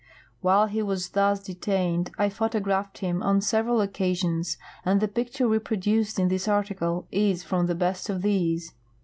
While he was thus detained I photograplied him on several occasions, and the picture reproduced in this article is from the best of these.